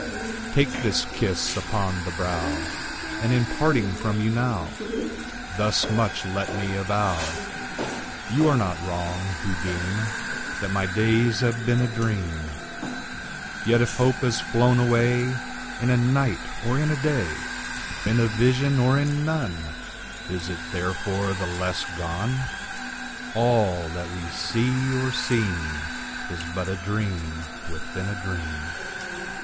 Take this kiss upon the brow! And, in parting from you now, Thus much let me avow You are not wrong, who deem That my days have been a dream: Yet if hope has flown away In a night, or in a day, In a vision or in none, Is it therefore the less gone? All that we see or seem Is but a dream within a dream.